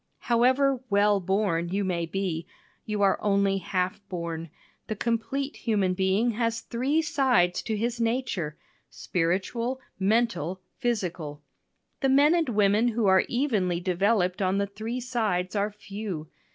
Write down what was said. However "well born" you may be, you are only half born. The complete human being has three sides to his nature spiritual, mental, physical. The men and women who are evenly developed on the three sides are few.